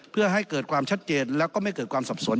เพื่อให้เกิดความชัดเจนแล้วก็ไม่เกิดความสับสน